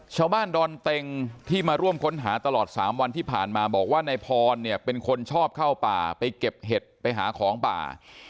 ชาวบ้านดอนเต็งที่มาร่วมค้นหาตลอด๓วันที่ผ่านมาบอกว่านายพรเนี่ยเป็นคนชอบเข้าป่าไปเก็บเห็ดไปหาของป่า